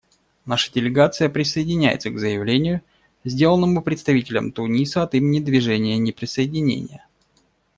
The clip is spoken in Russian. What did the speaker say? Наша делегация присоединяется к заявлению, сделанному представителем Туниса от имени Движения неприсоединения.